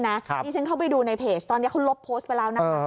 นี่ฉันเข้าไปดูในเพจตอนนี้เขาลบโพสต์ไปแล้วนะคะ